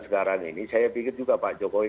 sekarang ini saya pikir juga pak jokowi